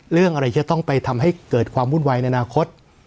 เรื่องอะไรจะต้องไปทำให้เกิดความวุ่นวายในอนาคต